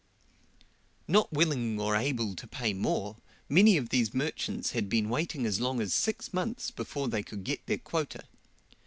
Not willing or able to pay more, many of these merchants had been waiting as long as six months before they could get their quota.